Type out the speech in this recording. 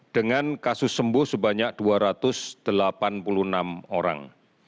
dengan kasus sembuh sebanyak dua ratus delapan puluh enam orang